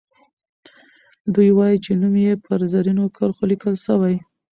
دوي وايي چې نوم یې په زرینو کرښو لیکل سوی.